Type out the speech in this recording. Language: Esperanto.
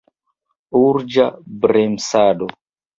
Urĝa bremsado!